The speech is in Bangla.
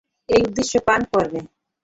এই উদ্দেশ্যে পান করবো।